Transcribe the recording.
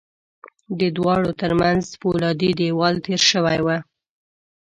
د دواړو ترمنځ پولادي دېوال تېر شوی و